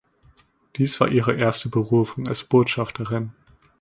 Dies war ihre erste Berufung als Botschafterin.